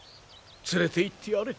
連れていってやれ。